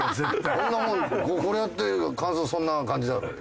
こんなもんこれやって感想そんな感じだろうよ。